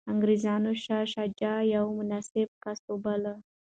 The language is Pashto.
انګریزانو شاه شجاع یو مناسب کس وباله.